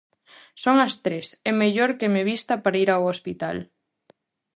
Son as tres, é mellor que me vista para ir ao hospital.